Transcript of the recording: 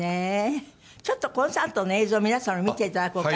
ちょっとコンサートの映像を皆様に見ていただこうかしら。